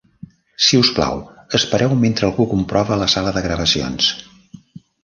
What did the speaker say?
Si us plau, espereu mentre algú comprova la sala de gravacions.